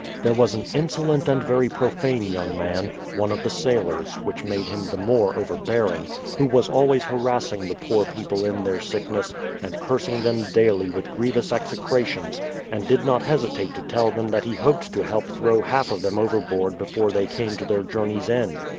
There was an insolent and very profane young man, — one of the sailors, which made him the more overbearing, — who was always harassing the poor people in their sickness, and cursing them daily with grievous execrations, and did not hesitate to tell them that he hoped to help throw half of them overboard before they came to their journey's end.